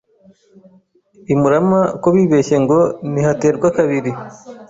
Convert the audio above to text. I Murama ko bibeshye ngo ntihaterwa kabiri